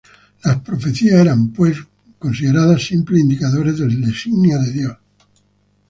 Las profecías eran, pues, consideradas simples indicadores del designio de Dios.